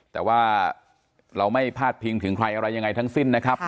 แต่ว่าเราไม่พาดพิงถึงใครอะไรยังไงทั้งสิ้นนะครับ